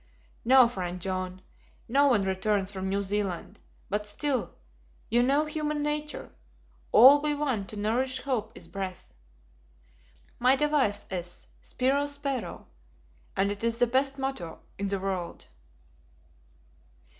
"No, friend John. No one returns from New Zealand; but still you know human nature. All we want to nourish hope is breath. My device is 'Spiro spero,' and it is the best motto in the world!"